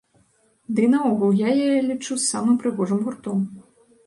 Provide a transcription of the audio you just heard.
Дый наогул я яе лічу самым прыгожым гуртом.